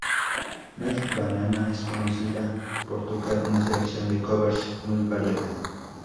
Melt Banana es conocida por tocar una selección de covers muy variada.